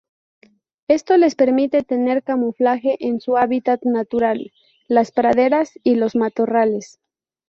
Esto les permite tener camuflaje en su hábitat natural, las praderas y los matorrales.